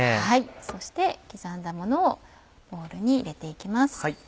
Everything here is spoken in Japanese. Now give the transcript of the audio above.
そして刻んだものをボウルに入れて行きます。